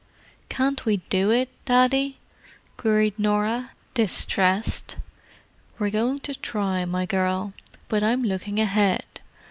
"Can't we do it, Daddy?" queried Norah, distressed. "We're going to try, my girl. But I'm looking ahead.